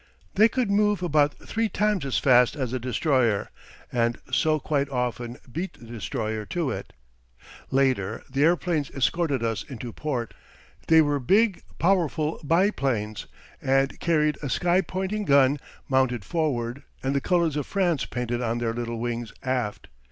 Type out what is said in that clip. They could move about three times as fast as a destroyer, and so quite often beat the destroyer to it. Later the airplanes escorted us into port. They were big, powerful biplanes, and carried a sky pointing gun mounted forward and the colors of France painted on their little wings aft.